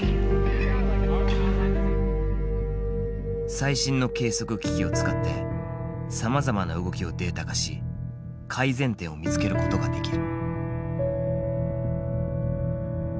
最新の計測機器を使ってさまざまな動きをデータ化し改善点を見つけることができる。